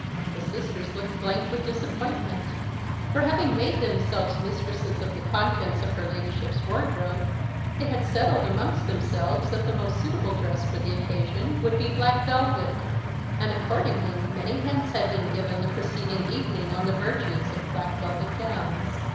The sisters looked blank with disappointment; for having made themselves mistresses of the contents of her ladyship's wardrobe, they had settled amongst themselves that the most suitable dress for the occasion would be black velvet, and accordingly many hints had been given the preceding evening on the virtues of black velvet gowns.